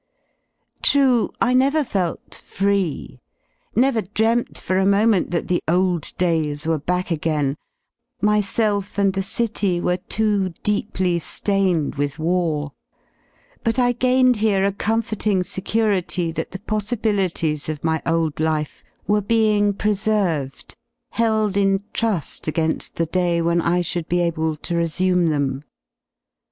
True I never felt free, never dreamt for a moment that the old days were back again, myself and the city were ptoo deeply Gained with war, but I gained here a comforting I security that the possibilities of my old life were being pre / served, held in tru^ again^ the day when I should be able ^ to resume them.